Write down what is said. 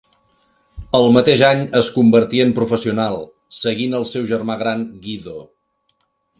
El mateix any es convertí en professional, seguint el seu germà gran Guido.